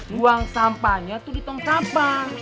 buang sampahnya tuh di tong sampah